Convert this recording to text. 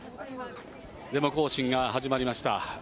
デモ行進が始まりました。